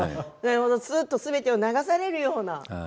すべてを流されるような。